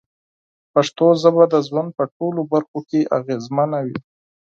پښتو ژبه د ژوند په ټولو برخو کې اغېزمنه وي.